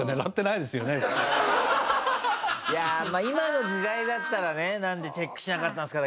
いやまあ今の時代だったらねなんでチェックしなかったんですか？